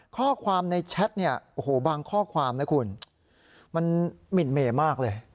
ข้อความในแชทบางข้อความน่ะคุณมันหมิ่นเมมากเลย